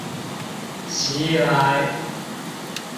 襲來！